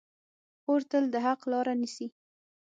خور تل د حق لاره نیسي.